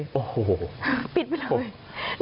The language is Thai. โอ้โหปิดไปเลย